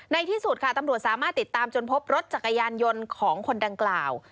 ที่สุดค่ะตำรวจสามารถติดตามจนพบรถจักรยานยนต์ของคนดังกล่าว